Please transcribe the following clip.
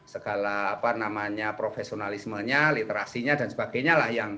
segala apa namanya profesionalismenya literasinya dan sebagainya lah